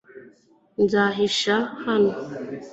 Nzahisha hano